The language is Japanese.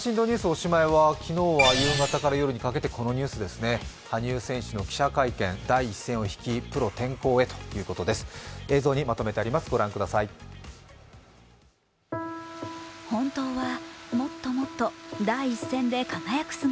おしまいは昨日夕方から夜にかけてこのニュースですね、羽生選手の記者会見、第一線を引き、プロ転向へということです。